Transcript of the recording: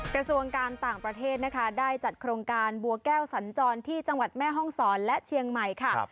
กระทรวงการต่างประเทศนะคะได้จัดโครงการบัวแก้วสัญจรที่จังหวัดแม่ห้องศรและเชียงใหม่ค่ะ